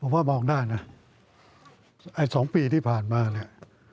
ผมว่ามองได้นะไอ้๒ปีที่ผ่านมาเนี่ย